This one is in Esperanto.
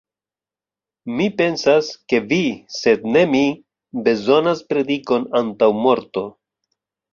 Mi pensas, ke vi, sed ne mi, bezonas predikon antaŭ morto.